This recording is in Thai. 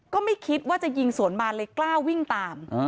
ก็ไม่คิดว่าจะยิงสวนมาเลยกล้าวิ่งตาม